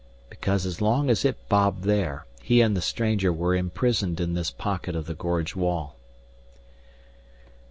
Because as long as it bobbed there, he and the stranger were imprisoned in this pocket of the gorge wall.